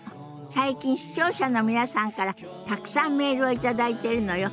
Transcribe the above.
最近視聴者の皆さんからたくさんメールを頂いてるのよ。